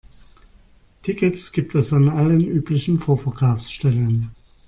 Tickets gibt es an allen üblichen Vorverkaufsstellen.